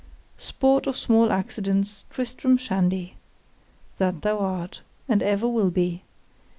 _——Sport of small accidents, Tristram Shandy! that thou art, and ever will be!